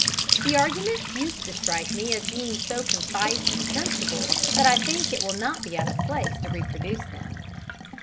The arguments used strike me as being so concise and sensible that I think it will not be out of place to reproduce them.